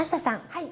はい。